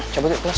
coba tuh kelas